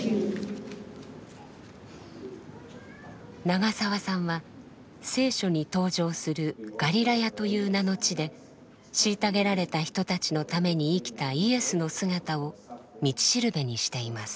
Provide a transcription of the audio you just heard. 長澤さんは聖書に登場する「ガリラヤ」という名の地で虐げられた人たちのために生きたイエスの姿を道しるべにしています。